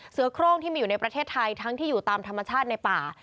โครงที่มีอยู่ในประเทศไทยทั้งที่อยู่ตามธรรมชาติในป่า